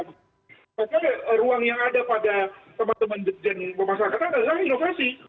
maka ruang yang ada pada teman teman dirjen pemasarakatan adalah inovasi